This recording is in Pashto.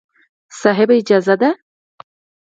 صاحب! اجازه ده.